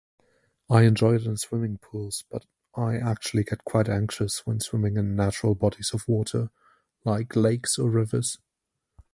I enjoy it in swimming pools, but I actually get quite anxious when swimming in natural bodies of water, like lakes or rivers.